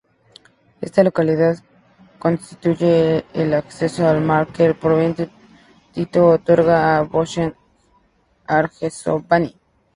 Esta localidad constituye el acceso al mar que el Presidente Tito otorgara a Bosnia-Herzegovina.